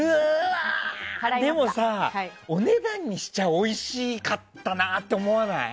でもさ、お値段にしちゃおいしかったなって思わない？